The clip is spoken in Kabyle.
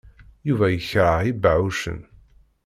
Yuba yekṛeh ibeɛɛucen.